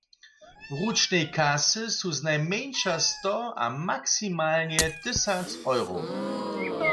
W ručnej kasy su znajmjeńša sto a maksimalnje tysac eurow.